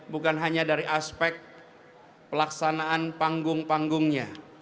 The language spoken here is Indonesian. bukan hanya dari aspek pelaksanaan panggung panggungnya